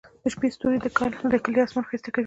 د شپې ستوري د کلي اسمان ښايسته کوي.